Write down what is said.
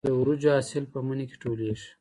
د وریجو حاصل په مني کې ټولېږي.